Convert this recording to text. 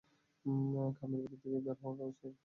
খামের ভেতর থেকে বের হওয়া কাগজটায় একটা মাঠের ছবি আঁকা ছিল।